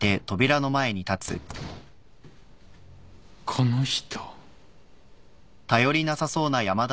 この人。